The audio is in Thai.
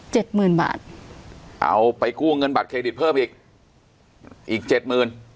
หมื่นบาทเอาไปกู้เงินบัตรเครดิตเพิ่มอีกอีกเจ็ดหมื่น